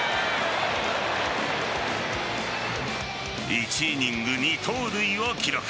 １イニング２盗塁を記録。